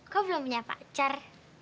kau belum punya pacar